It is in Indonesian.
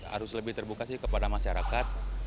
harus lebih terbuka sih kepada masyarakat